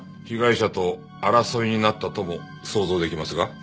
被害者と争いになったとも想像できますが？